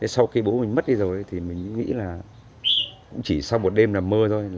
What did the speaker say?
sau khi bố mình mất đi rồi thì mình nghĩ là cũng chỉ sau một đêm là mơ thôi